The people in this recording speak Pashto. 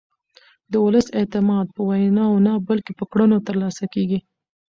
د ولس اعتماد په ویناوو نه بلکې په کړنو ترلاسه کېږي